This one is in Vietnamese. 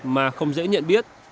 mà không dễ nhận biết